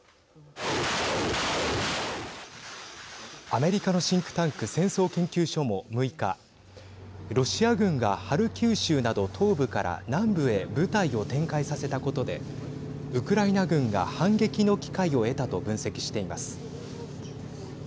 アメリカのシンクタンク戦争研究所も、６日ロシア軍が、ハルキウ州など東部から南部へ部隊を展開させたことでウクライナ軍が反撃の機会を得たと分析しています。